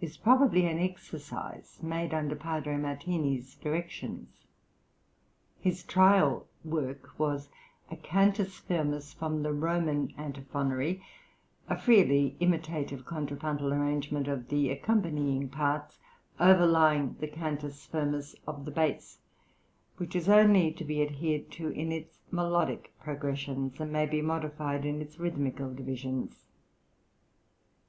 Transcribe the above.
is probably an exercise made under Padre Martini's directions. His trial work was a Cantus firmus from the Roman Antiphonary, a freely imitative contrapuntal arrangement of the accompanying parts overlying the Cantus firmus of the bass, which is only to be adhered to in its melodic progressions, and may be modified in its rhythmical divisions.